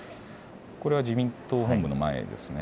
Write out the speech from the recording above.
これは自民党本部の前ですね。